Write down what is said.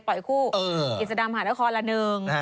ปล่อยคู่อิจดำหานครละหนึ่ง